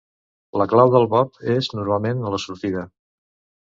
La clau del bob és, normalment, a la sortida.